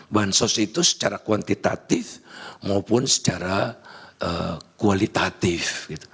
bansos itu secara kuantitatif maupun secara kualitatif